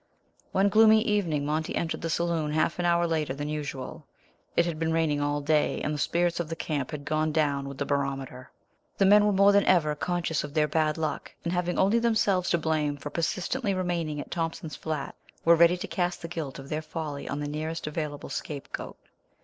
One gloomy evening Monty entered the saloon half an hour later than usual. It had been raining all day, and the spirits of the camp had gone down with the barometer. The men were more than ever conscious of their bad luck, and having only themselves to blame for persistently remaining at Thompson's Flat, were ready to cast the guilt of their folly on the nearest available scapegoat.